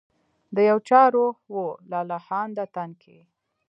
د یو چا روح و لا لهانده تن کي